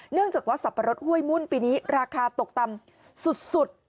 เนื่องจากว่าสับปะรดห้วยมุ่นปีนี้ราคาตกต่ำสุด